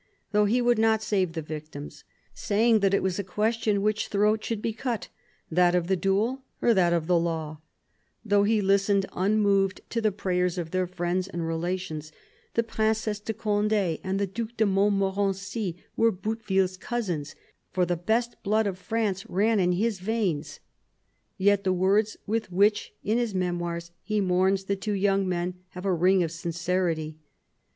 Though he would not save the victims, saying that it was a question which throat should be cut — that of the duel or that of the law; though he listened unmoved to the prayers of their friends and relations — the Princesse de Cond6 and the Due de Montmorency were Bouteville's cousins, for the best blood of France ran in his veins — yet the words with which, in his Memoirs, he mourns the two young men, have a ring of sincerity.